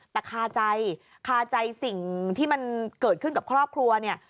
แต่คาใจคาใจสิ่งที่มันเกิดขึ้นกับครอบครัวเนี่ย